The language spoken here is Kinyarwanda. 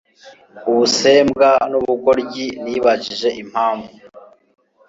ubusembwa, n’ubugoryi. Nibajije impamvu